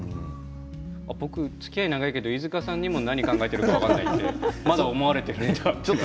僕つきあい長いけど、飯塚さんにも何を考えているのかってまだ思われてるんだって。